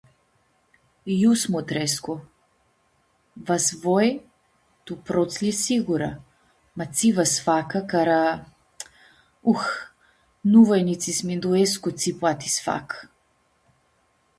Iu s-mutrescu? Va s-voi tu protslji siyura, ma tsi va s-facã cara… Uh, nu voi nitsi s-minduescu tsi poati s-facã.